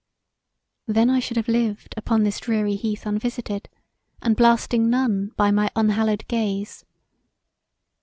Then I should have lived upon this dreary heath unvisited, and blasting none by my unhallowed gaze.